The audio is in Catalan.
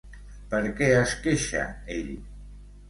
Per què es queixa ell?